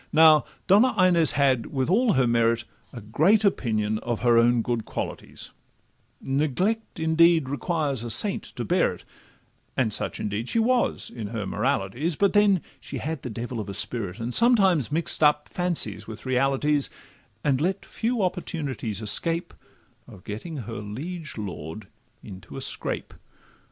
Now Donna Inez had, with all her merit, A great opinion of her own good qualities; Neglect, indeed, requires a saint to bear it, And such, indeed, she was in her moralities; But then she had a devil of a spirit, And sometimes mix'd up fancies with realities, And let few opportunities escape Of getting her liege lord into a scrape.